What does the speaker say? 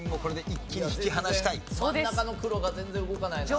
真ん中の黒が全然動かないな。